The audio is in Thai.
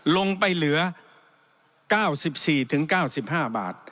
ลงไปเหลือ๙๔๙๕บาท